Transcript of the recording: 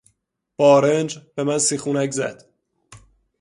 با آرنج به من سیخونک زد.